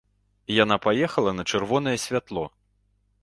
Яна паехала на чырвонае святло.